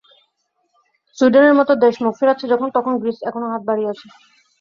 সুইডেনের মতো দেশ মুখ ফেরাচ্ছে যখন, তখন গ্রিস এখনো হাত বাড়িয়ে আছে।